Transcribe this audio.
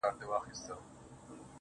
څه رنګه سپوږمۍ ده له څراغه يې رڼا وړې.